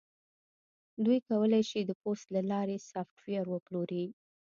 دوی کولی شي د پوست له لارې سافټویر وپلوري